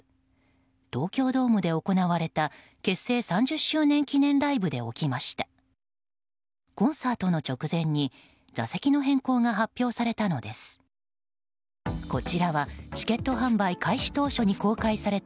東京ドームで行われた結成３０周年記念ライブで起きました。